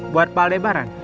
buat pak lebaran